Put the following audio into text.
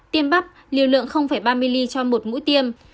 tiêm bắp liều lượng ba milli cho một mũi tiêm